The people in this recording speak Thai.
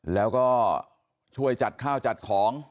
แล้วก็ช่วยจัดข้าวจัดของ